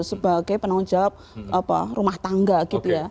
sebagai penanggung jawab rumah tangga gitu ya